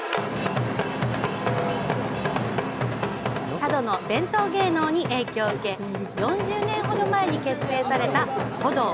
佐渡の伝統芸能に影響を受け４０年ほど前に結成された鼓童。